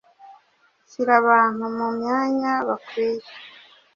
shyira abantu mumyanya bakwiye